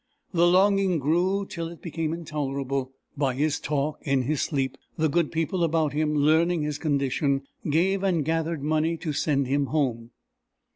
The longing grew till it became intolerable. By his talk in his sleep, the good people about him learning his condition, gave and gathered money to send him home.